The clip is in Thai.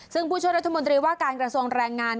ซึ่งผู้ช่วยรัฐมนตรีว่าการกระทรวงแรงงาน